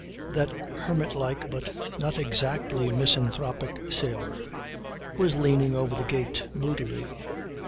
That hermit like but not exactly misanthropic sailor was leaning over the gate moodily.